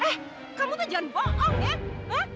eh kamu tuh jangan bohong ya